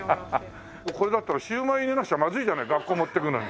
これだったらシウマイ入れなくちゃまずいじゃない学校持ってくのに。